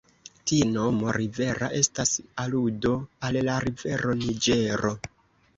Ties nomo "Rivera" estas aludo al la rivero Niĝero.